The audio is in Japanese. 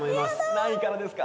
何位からですか？